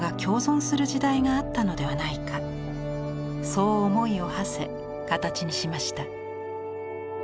そう思いをはせ形にしました。